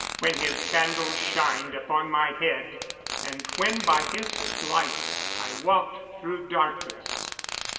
[Verse: "When his candle shined upon my head, and when by his light I walked through darkness."